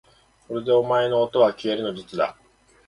これでお前のおとはきえるの術だ